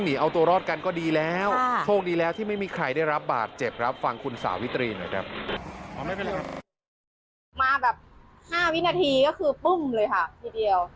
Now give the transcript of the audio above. มาแบบ๕วินาทีก็คือปุ้มเลยค่ะทีเดียว